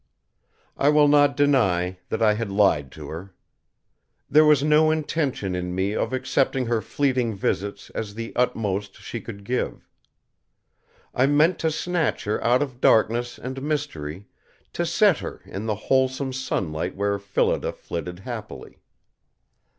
I will not deny that I had lied to her. There was no intention in me of accepting her fleeting visits as the utmost she could give. I meant to snatch her out of darkness and mystery, to set her in the wholesome sunlight where Phillida flitted happily.